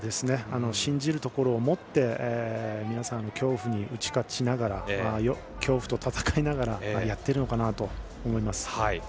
信じるところを持って皆さん、恐怖に打ち勝ちながら恐怖と闘いながらやっているのかなと思います。